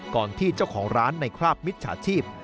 ก่อนที่เจ้าของร้านในคราบมิจฉาชีพ